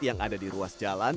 yang ada di ruas jalan